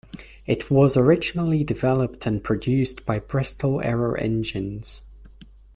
It was originally developed and produced by Bristol Aero Engines.